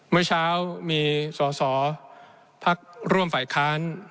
เมื่อเช้ามีสอสอพักร่วมฝ่ายค้าน